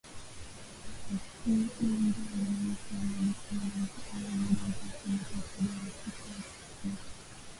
hakugombea urais ila alikuwa na mipango ya muda mrefu ya kumsaidia rafiki yake Kikwete